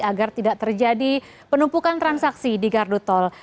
agar tidak terjadi penumpukan transaksi di gardu tol